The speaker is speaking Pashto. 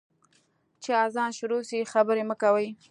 چي اذان شروع سي، خبري مه کوئ.